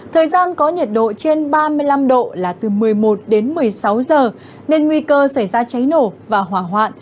thời gian có nhiệt độ trên ba mươi năm độ là từ một mươi một đến một mươi sáu giờ nên nguy cơ xảy ra cháy nổ và hỏa hoạn